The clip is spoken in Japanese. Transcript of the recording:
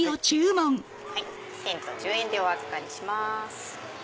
１０１０円でお預かりします。